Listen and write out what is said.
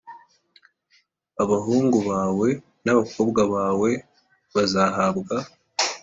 Abahungu bawe n abakobwa bawe bazahabwa